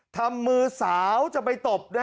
ทำมือสาวจะไปตบ